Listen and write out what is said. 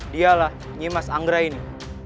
dialah nyimas anggraini